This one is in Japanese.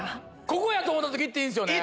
ここやと思った時行っていいんですよね？